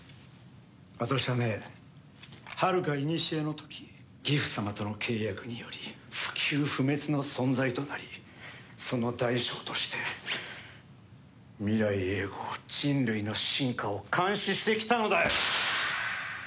私はねはるかいにしえの時ギフ様との契約により不朽不滅の存在となりその代償として未来永劫人類の進化を監視してきたのだよ！